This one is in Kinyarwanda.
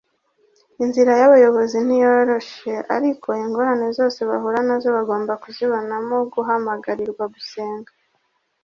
inzira y'abayobozi ntiyoroshe. ariko ingorane zose bahura nazo bagomba kuzibonamo guhamagarirwa gusenga